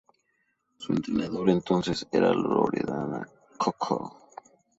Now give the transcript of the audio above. Su entrenadora entonces, era Loredana Cocco.